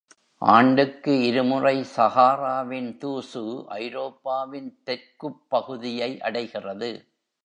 ஆண்டுக்கு இருமுறை Sahara-வின் தூசு ஐரோப்பாவின் தெற்குப் பகுதியை அடைகிறது.